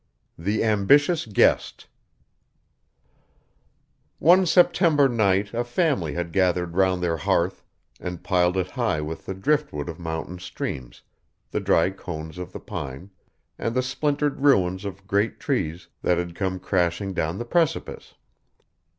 THE AMBITIOUS GUEST One September night a family had gathered round their hearth, and piled it high with the driftwood of mountain streams, the dry cones of the pine, and the splintered ruins of great trees that had come crashing down the precipice.